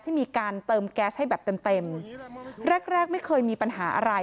ที่มีการเติมแก๊สให้แบบเต็มเต็มแรกแรกไม่เคยมีปัญหาอะไร